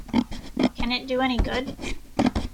Can it do any good?